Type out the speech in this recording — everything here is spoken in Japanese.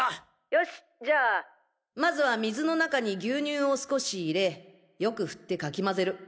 よしじゃあまずは水の中に牛乳を少し入れよく振ってかき混ぜる。